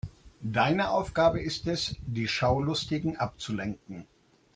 Deine Aufgabe ist es, die Schaulustigen abzulenken.